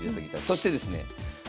そしてですね